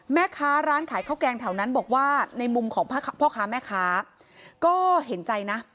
แม่ค้าร้านขายข้าวแกงแถวนั้นบอกว่าในมุมของพ่อค้าแม่ค้าก็เห็นใจนะ